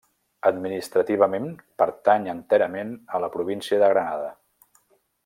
Administrativament pertany enterament a la província de Granada.